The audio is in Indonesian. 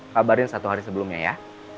kabarin satu hari sebelumnya ya